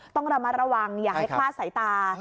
ต้องระมัดระวังอย่าให้คลาดสายตา